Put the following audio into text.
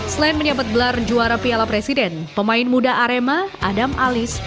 selain menyebut gelar juara piala presiden pemain muda arema adam alis